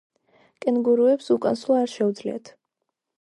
კენგურუებს უკან სვლა არ შეუძლიათ.